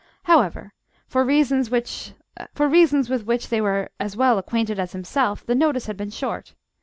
However, for reasons which for reasons with which they were as well acquainted as himself, the notice had been short.